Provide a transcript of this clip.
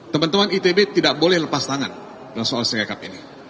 teman teman itb tidak boleh lepas tangan soal singkat ini